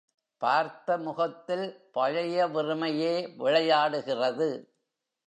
பார்த்த முகத்தில் பழைய வெறுமை யே விளையாடுகிறது.